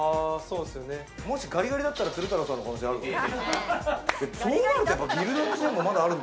もしガリガリだったら鶴太郎さんの可能性あるかもよ。